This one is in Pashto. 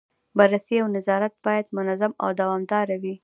بررسي او نظارت باید منظم او دوامداره وي.